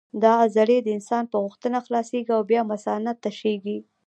دا عضلې د انسان په غوښتنه خلاصېږي او بیا مثانه تشېږي.